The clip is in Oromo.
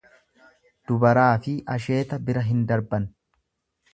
Dubaraafi asheeta bira hin darban.